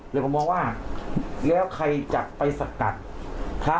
แล้วก็มองว่าแล้วใครจะไปสกัดพระ